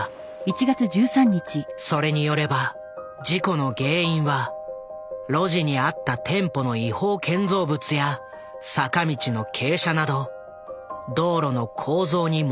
それによれば事故の原因は路地にあった店舗の違法建造物や坂道の傾斜など道路の構造に問題があったと指摘。